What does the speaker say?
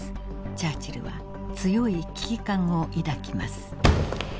チャーチルは強い危機感を抱きます。